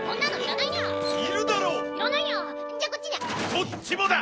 そっちもだ！